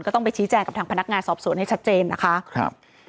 ต้องไปชี้แจงกับทางพนักงานสอบสวนให้ชัดเจนนะคะครับ